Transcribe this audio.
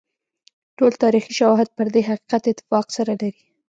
ټول تاریخي شواهد پر دې حقیقت اتفاق سره لري.